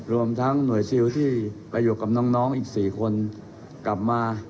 รวมทั้งหน่วยซิลที่ไปอยู่กับน้องอีก๔คนกลับมา